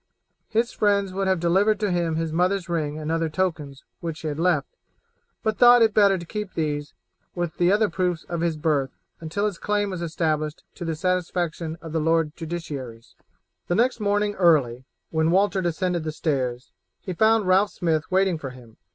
His friends would have delivered to him his mother's ring and other tokens which she had left, but thought it better to keep these, with the other proofs of his birth, until his claim was established to the satisfaction of the lord justiciaries. The next morning early, when Walter descended the stairs, he found Ralph Smith waiting for him.